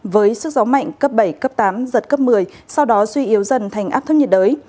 với sức gió mạnh cấp bảy cấp tám giật cấp một mươi sau đó suy yếu dần thành áp thấp nhiệt đới